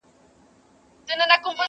بیا تر مرګه مساپر یم نه ستنېږم؛